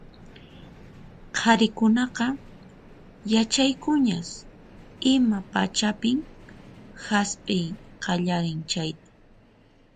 Qharikunaqa yachankuñas ima pachapin hasp'iy qallarin chayta.